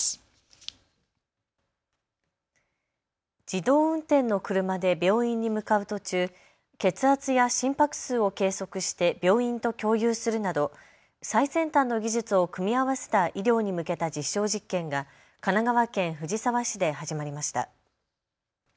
自動運転の車で病院に向かう途中、血圧や心拍数を計測して病院と共有するなど最先端の技術を組み合わせた医療に向けた実証実験が神奈川県藤沢市で始まりました。